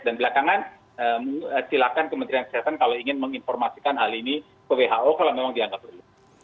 dan belakangan silakan kementerian kesehatan kalau ingin menginformasikan hal ini ke who kalau memang dianggap perlu